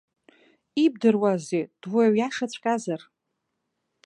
Ибдыруазеи дуаҩ иашаҵәҟьазар.